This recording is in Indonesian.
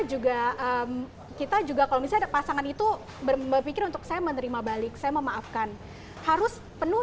juga kita juga kalau misalnya pasangan itu berpikir untuk saya menerima balik saya memaafkan harus penuh